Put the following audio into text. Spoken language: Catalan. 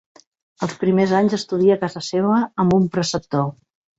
Els primers anys estudia a casa seva, amb un preceptor.